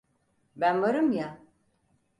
Ben varım ya.